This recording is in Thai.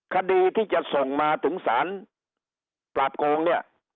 คดีที่จะส่งมาถึงสารปราบโกงเนี่ย